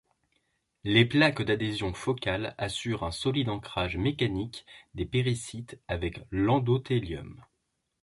Les plaques d'adhésion focales assurent un solide ancrage mécanique des péricytes avec l'endothélium.